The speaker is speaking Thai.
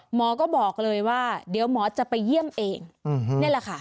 หมอก็บอกเลยว่าเดี๋ยวหมอจะไปเยี่ยมเองนี่แหละค่ะ